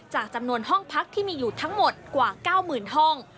จำนวนห้องพักที่มีอยู่ทั้งหมดกว่า๙๐๐ห้อง